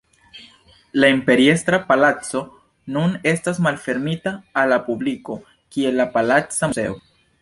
La Imperiestra Palaco nun estas malfermita al la publiko kiel la Palaca Muzeo.